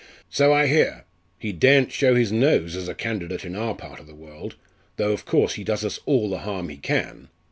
"So I hear he daren't show his nose as a candidate in our part of the world, though of course he does us all the harm he can.